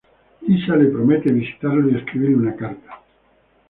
Lisa le promete visitarlo y escribirle una carta.